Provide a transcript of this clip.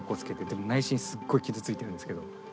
でも内心すっごい傷ついてるんですけど。